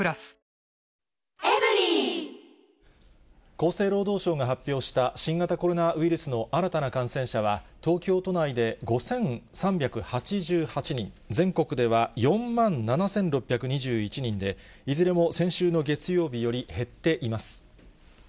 厚生労働省が発表した新型コロナウイルスの新たな感染者は、東京都内で５３８８人、全国では４万７６２１人で、いずれも先週の月曜日より減っています。